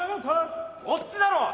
こっちだろ！